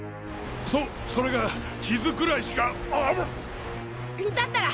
そそれが地図くらいしかアプッ！だったら！